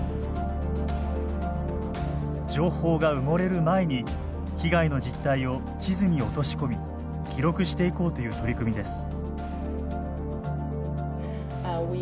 情報が埋もれる前に被害の実態を地図に落とし込み記録していこうという取り組みです。